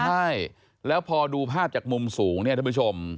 ใช่แล้วพอดูภาพจากมุมสูงเนี่ยท่านผู้ชม